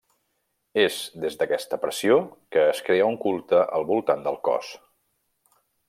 És des d’aquesta pressió que es crea un culte al voltant del cos.